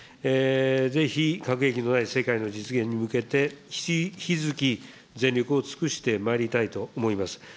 ぜひ、核兵器のない世界の実現に向けて、引き続き、全力を尽くしてまいりたいと思います。